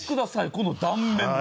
この断面！